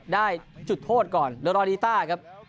ได้จุดโทษก่อนโดยรอลีต้าครับ